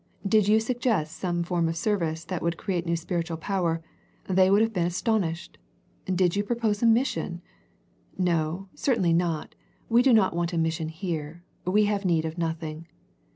Did you suggest some form of serv ice that would create new spiritual power, they would have been astonished. Did you propose a mission ? No, certainly not, we do not want a mission here, we have need of nothing.